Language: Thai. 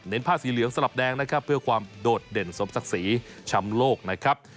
ผ้าสีเหลืองสลับแดงนะครับเพื่อความโดดเด่นสมศักดิ์ศรีช้ำโลกนะครับ